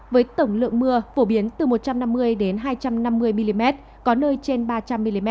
với tổng lượng mưa phổ biến từ một trăm năm mươi hai trăm năm mươi mm có nơi trên ba trăm linh mm